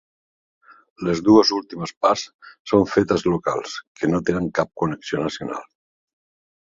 Les dues últimes parts són festes locals que no tenen cap connexió nacional.